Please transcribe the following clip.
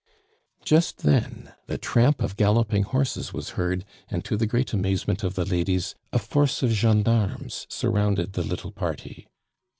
Just then the tramp of galloping horses was heard, and, to the great amazement of the ladies, a force of gendarmes surrounded the little party.